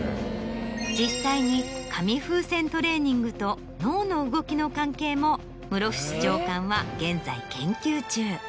実際に紙風船トレーニングと脳の動きの関係も室伏長官は現在研究中。